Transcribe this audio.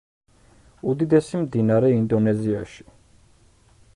უდიდესი მდინარე ინდონეზიაში.